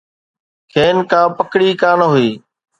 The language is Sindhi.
کين ڪا پڪڙي ڪانه هئي.